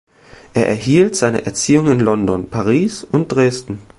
Er erhielt seine Erziehung in London, Paris und Dresden.